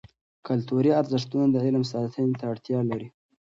کلتوري ارزښتونه د علم ساتنې ته اړتیا لري.